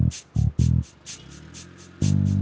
kamu lakukan apa bang